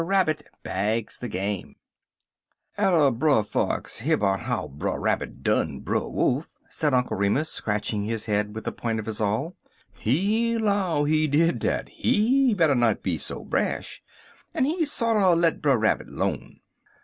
RABBIT BAGS THE GAME "ATTER Brer Fox hear 'bout how Brer Rabbit done Brer Wolf," said Uncle Remus, scratching his head with the point of his awl, 'he 'low, he did, dat he better not be so brash, en he sorter let Brer Rabbit 'lone.